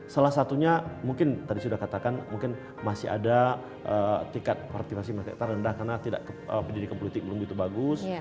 salah satunya mungkin tadi sudah katakan mungkin masih ada tingkat partisipasi masyarakat rendah karena pendidikan politik belum begitu bagus